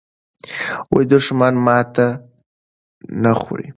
دښمن ماته نه خوړه.